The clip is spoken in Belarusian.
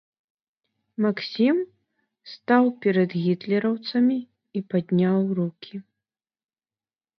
Максім стаў перад гітлераўцамі і падняў рукі.